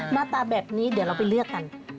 มาตาแบบนี้เดี๋ยวเราไปเลือกกัน